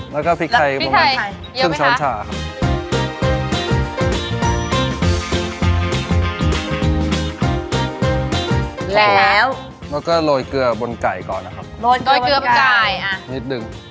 แล้วก็พริกไทยขึ้นช้อนชาแล้วก็โรยเกลือบนไก่ก่อนนะครับ